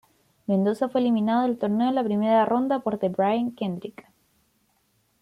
Mendoza fue eliminado del torneo en la primera ronda por The Brian Kendrick.